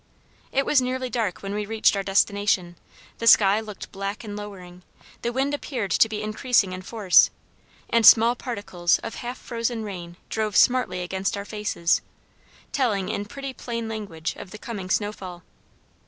It was nearly dark when we reached our destination, the sky looked black and lowering, the wind appeared to be increasing in force, and small particles of half frozen rain drove smartly against our faces, telling in pretty plain language of the coming snowfall.